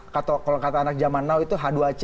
kalau kata anak zaman now itu h dua c